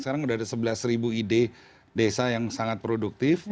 sekarang udah ada sebelas ide desa yang sangat produktif